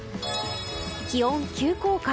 気温急降下。